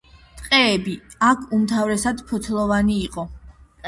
ტყეები აქ უმთავრესად ფოთლოვანი იყო.